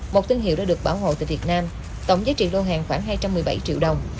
một thương hiệu đã được bảo hộ tại việt nam tổng giá trị lô hàng khoảng hai trăm một mươi bảy triệu đồng